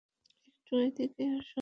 একটু এদিকে এসো।